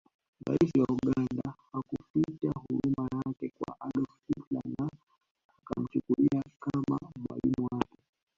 Rais wa Uganda hakuficha huruma yake kwa Adolf Hitler na akamchukulia kama mwalimu wake